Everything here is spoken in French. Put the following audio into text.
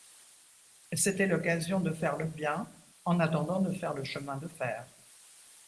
C’était l’occasion de faire le bien en attendant de faire le chemin de fer.